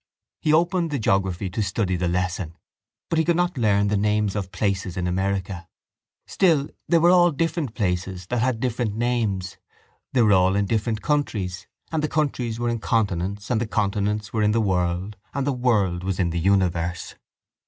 He opened the geography to study the lesson; but he could not learn the names of places in America. Still they were all different places that had different names. They were all in different countries and the countries were in continents and the continents were in the world and the world was in the universe.